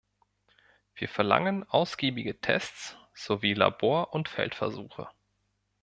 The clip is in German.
Wir verlangen ausgiebige Tests sowie Labor- und Feldversuche.